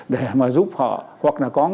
để mà giúp họ hoặc là có